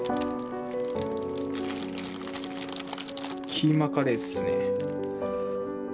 キーマカレーっすね。